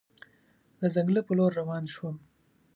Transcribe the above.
د ځنګله په لور روان شوم.